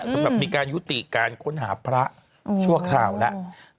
สำหรับมีการยุติการค้นหาพระชั่วคราวแล้ว